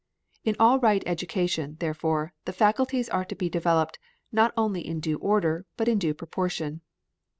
In all right education, therefore, the faculties are to be developed, not only in due order, but in due proportion.